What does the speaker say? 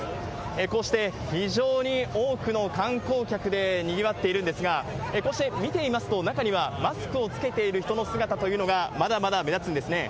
こうして、非常に多くの観光客でにぎわっているんですが、こうして見ていますと、中にはマスクを着けている人の姿というのがまだまだ目立つんですね。